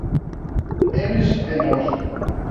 Eles e nós.